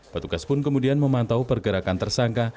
petugas pun kemudian memantau pergerakan tersangka